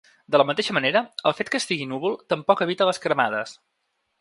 De la mateixa manera, el fet que estigui núvol tampoc evita les cremades.